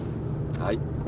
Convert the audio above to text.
はい。